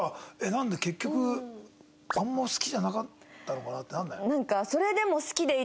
「なんだ結局あんま好きじゃなかったのかな？」ってならない？